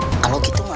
oh kalau gitu mah